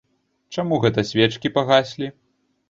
Чаму гэта свечкі пагаслі?